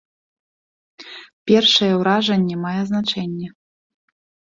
Першае ўражанне мае значэнне.